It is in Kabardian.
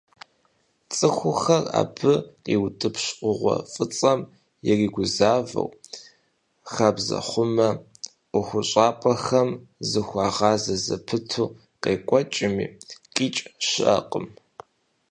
ЦӀыхухэр абы къиутӀыпщ Ӏугъуэ фӀыцӀэм иригузавэу, хабзэхъумэ ӀуэхущӀапӀэхэм зыхуагъазэ зэпыту къекӀуэкӀми, къикӀ щыӀэкъым.